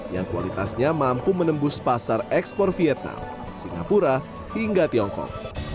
yang kualitasnya mampu menembus pasar ekspor vietnam singapura hingga tiongkok